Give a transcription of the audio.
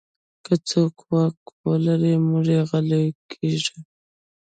که څوک واک ولري، موږ غلی کېږو.